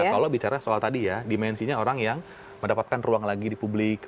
kalau bicara soal tadi ya dimensinya orang yang mendapatkan ruang lagi di publik